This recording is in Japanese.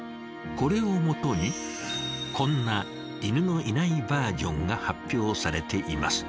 これをもとにこんな犬のいないバージョンが発表されています。